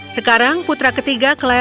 sekarang putra ketiga clarence kemudian leo